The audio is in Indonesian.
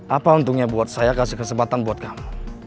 apa untungnya buat saya kasih kesempatan buat kamu